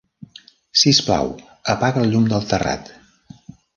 Sisplau, apaga el llum del terrat.